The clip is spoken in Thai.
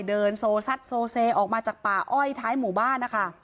เดินโซซัดโซเซออกมาจากป่าอ้อยท้ายหมู่บ้านนะคะ